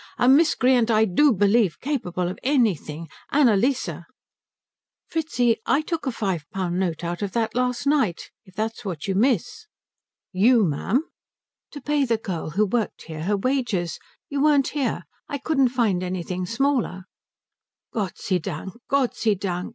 A miscreant, I do believe, capable of anything Annalise " "Fritzi, I took a five pound note out of that last night, if that's what you miss." "You, ma'am?" "To pay the girl who worked here her wages. You weren't here. I couldn't find anything smaller." "Gott sei Dank! Gott sei Dank!"